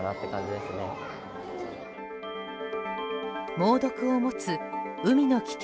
猛毒を持つ海の危険